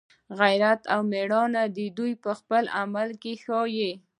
غیرت او میړانه دوی په خپل عمل یې ښایي